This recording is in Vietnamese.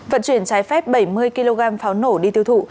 vận chuyển trái phép bảy mươi kg pháo nổ đi tiêu thụ